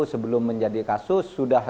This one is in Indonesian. sebelum menjadi kasus sudah